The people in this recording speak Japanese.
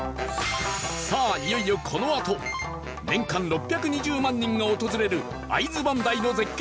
さあいよいよこのあと年間６２０万人が訪れる会津磐梯の絶景